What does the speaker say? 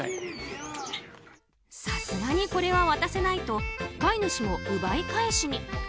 さすがに、これは渡せないと飼い主も奪い返しに。